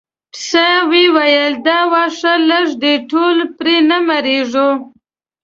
پسه وویل دا واښه لږ دي ټول پرې نه مړیږو.